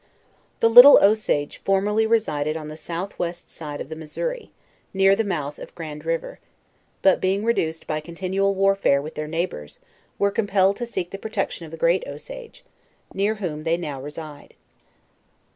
The Liitle Osage formerly resided on the south west side of the Missouri, near the mouth of Grand river; but, being reduced by continual warfare with their neighbors, .were compelled to seek the protection of the Great Osage; near whom they now reside.